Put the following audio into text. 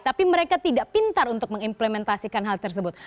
tapi mereka tidak pintar untuk mengimplementasikan hal tersebut